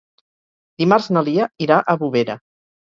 Dimarts na Lia irà a Bovera.